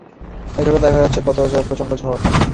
একটি ছবিতে দেখা যাচ্ছে ঝড় হচ্ছে প্রচণ্ড ঝড়।